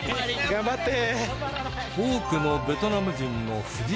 頑張って！